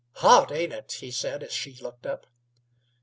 "Hot, ain't it?" he said, as she looked up.